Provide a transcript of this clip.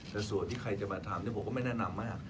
แต่ส่วนที่ใครจะมาทำผมก็ไม่แนะนำมาก